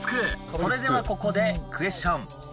それでは、ここでクエスチョン。